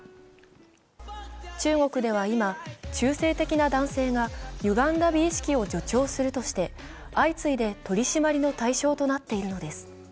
中国では今、中性的な男性がゆがんだ美意識を助長するとして、相次いで取り締まりの対象となっているのです。